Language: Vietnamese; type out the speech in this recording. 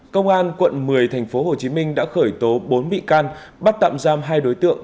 công an quận một mươi tp hcm đã khởi tố bốn bị can bắt tạm giam hai đối tượng